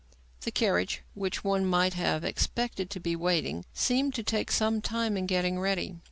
The carriage, which one might have expected to be waiting, seemed to take some time in getting ready.